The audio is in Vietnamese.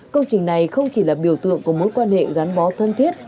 công trình này không chỉ là biểu tượng của mối quan hệ gắn bó thân thiết